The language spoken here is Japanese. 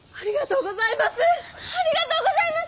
ありがとうございます！